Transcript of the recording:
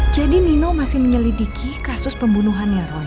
jadi nino masih menyelidiki kasus pembunuhan ya roy